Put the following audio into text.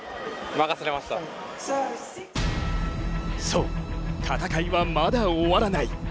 そう、戦いはまだ終わらない。